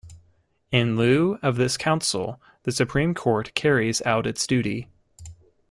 In lieu of this Council, the Supreme Court carries out its duty.